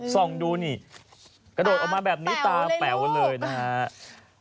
ส่องดูนี่กระโดดออกมาแบบนี้ตาแป๋วเลยนะครับ